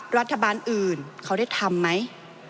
รัฐบาลอื่นเขาได้ทำไหม